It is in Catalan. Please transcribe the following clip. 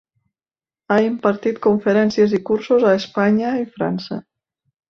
Ha impartit conferències i cursos a Espanya i França.